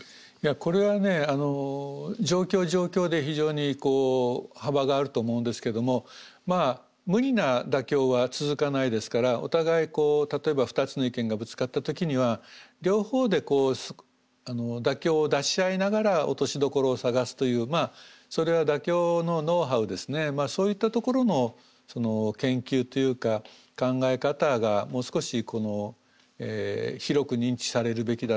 これはね状況状況で非常にこう幅があると思うんですけどもまあ無理な妥協は続かないですからお互いこう例えば２つの意見がぶつかった時には両方でこう妥協を出し合いながら落としどころを探すというまあそれは妥協のノウハウですねそういったところの研究というか考え方がもう少し広く認知されるべきだなというふうには思うわけですね。